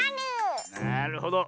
なるほど。